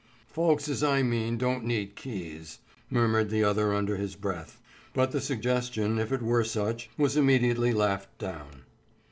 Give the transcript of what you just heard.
"Folks as I mean don't need keys," murmured the other under his breath. But the suggestion, if it were such, was immediately laughed down.